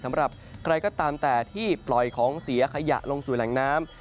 สำหรับใครก็ตามแต่ที่ปล่อยของเสียขยะลงสู่แหล่งน้ำ